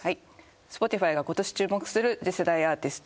Ｓｐｏｔｉｆｙがことし注目する次世代アーティスト。